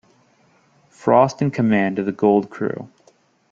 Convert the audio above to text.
Frost in command of the Gold Crew.